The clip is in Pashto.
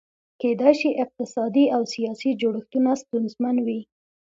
کېدای شي اقتصادي او سیاسي جوړښتونه ستونزمن وي.